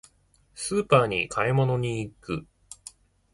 スーパーに買い物に行く。